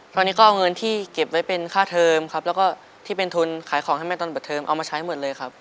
ตอนนี้ก็เอาเงินที่เก็บไว้เป็นค่าเทิมครับแล้วก็ที่เป็นทุนขายของให้แม่ตอนเปิดเทอมเอามาใช้หมดเลยครับ